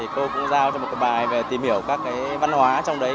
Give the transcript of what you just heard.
cô cũng giao cho một bài về tìm hiểu các văn hóa trong đấy